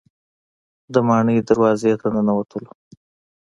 د ماڼۍ دروازې ته ننوتلو.